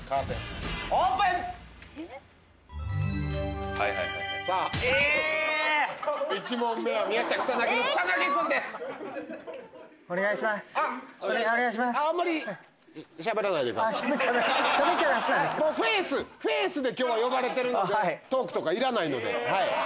フェイスで今日は呼ばれてるのでトークとかいらないのではい。